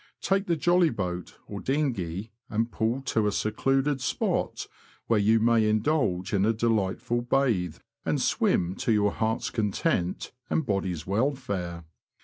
Take the jolly boat, or dinghy, and pull to a secluded spot, where you may indulge in a delight ful bathe and swim, to your heart's content and body's welfare.